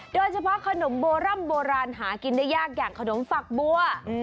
โดยเฉพาะขนมโบร่ำโบราณหากินได้ยากอย่างขนมฝักบัว